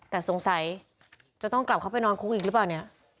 แต่สงสัยจะต้องกลับเข้าไปนอนคุกอีกหรือเปล่าเนี่ย